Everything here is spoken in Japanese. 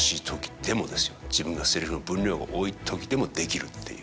自分が台詞の分量が多い時でもできるっていう。